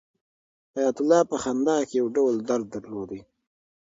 حیات الله په خندا کې یو ډول درد درلود.